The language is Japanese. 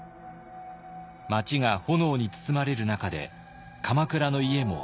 街が炎に包まれる中で鎌倉の家も全焼。